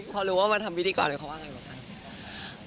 พอรู้ว่ามาทำพิธีกรเขาว่าอะไรบ้างคะ